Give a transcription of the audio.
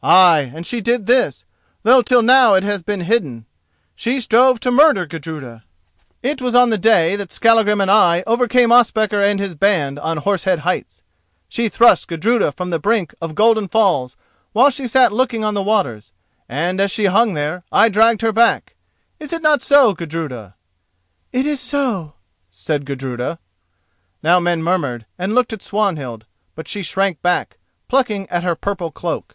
Ay, and she did this, though till now it has been hidden: she strove to murder Gudruda; it was on the day that Skallagrim and I overcame Ospakar and his band on Horse Head Heights. She thrust Gudruda from the brink of Golden Falls while she sat looking on the waters, and as she hung there I dragged her back. Is it not so, Gudruda?" "It is so," said Gudruda. Now men murmured and looked at Swanhild. But she shrank back, plucking at her purple cloak.